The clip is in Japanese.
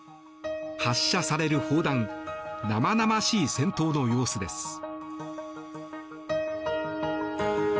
発射される砲弾生々しい戦闘の様子です。